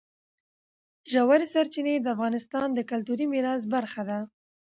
ژورې سرچینې د افغانستان د کلتوري میراث برخه ده.